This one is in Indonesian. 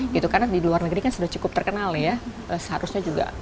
karena di luar negeri kan sudah cukup terkenal ya seharusnya juga